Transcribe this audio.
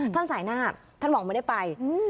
ท่านสายหน้าท่านหวังไม่ได้ไป